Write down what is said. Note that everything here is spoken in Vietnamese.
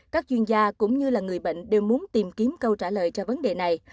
các chuyên gia cũng như là người bệnh đều muốn tìm kiếm câu trả lời cho vấn đề này